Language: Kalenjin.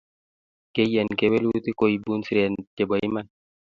Keiyan kewelutik ko ibun siret chebo iman